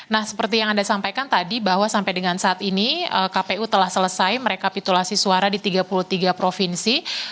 nah seperti yang anda sampaikan tadi bahwa sampai dengan saat ini kpu telah selesai merekapitulasi suara di tiga puluh tiga provinsi